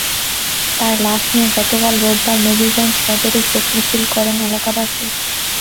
তাঁর লাশ নিয়ে গতকাল রোববার নবীগঞ্জ সদরে শোক মিছিল করেন এলাকাবাসী।